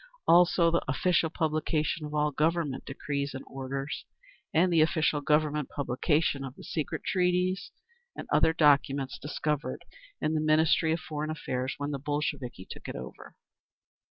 Also the official publication of all Government decrees and orders, and the official Government publication of the secret treaties and other documents discovered in the Ministry of Foreign Affairs when the Bolsheviki took it over.